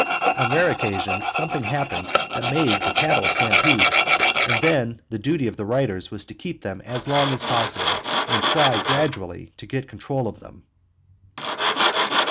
On rare occasions something happened that made the cattle stampede, and then the duty of the riders was to keep with them as long as possible and try gradually to get control of them.